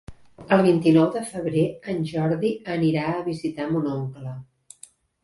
El vint-i-nou de febrer en Jordi anirà a visitar mon oncle.